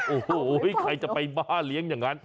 โอ้โหใครจะไปบ้าเลี้ยงอย่างนั้น